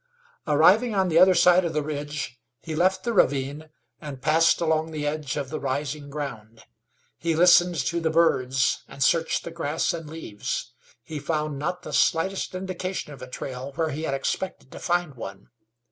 Arriving on the other side of the ridge, he left the ravine and passed along the edge of the rising ground. He listened to the birds, and searched the grass and leaves. He found not the slightest indication of a trail where he had expected to find one.